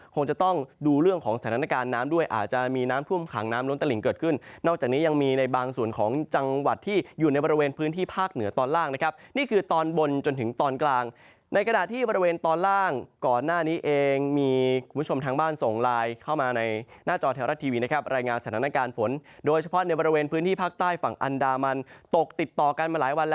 คงจะต้องดูเรื่องของสถานการณ์น้ำด้วยอาจจะมีน้ำพุ่มขังน้ำล้นตะลิ่งเกิดขึ้นนอกจากนี้ยังมีในบางส่วนของจังหวัดที่อยู่ในบริเวณพื้นที่ภาคเหนือตอนล่างนะครับนี่คือตอนบนจนถึงตอนกลางในขณะที่บริเวณตอนล่างก่อนหน้านี้เองมีคุณผู้ชมทางบ้านส่งลายเข้ามาในหน้าจอแถวรัดทีวีนะคร